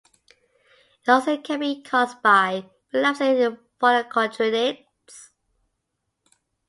It also can be caused by relapsing polychondritis.